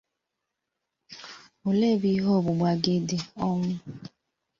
ole ebe ihe ọgbụgba gị dị?” Ọnwụ